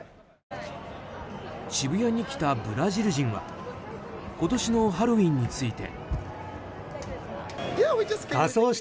渋谷に来たブラジル人は今年のハロウィーンについて。